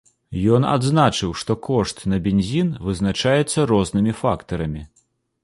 Ён адзначыў, што кошт на бензін вызначаецца рознымі фактарамі.